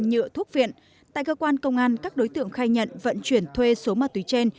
nhựa thuốc viện tại cơ quan công an các đối tượng khai nhận vận chuyển thuê số ma túy trên